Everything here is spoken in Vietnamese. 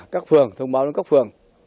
các phường thông báo đến các phường